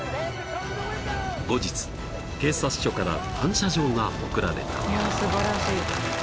［後日警察署から感謝状が贈られた］